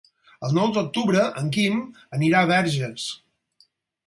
El nou d'octubre en Quim anirà a Verges.